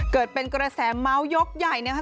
เกิดเป็นเกษมเมาี่กในปัจจุ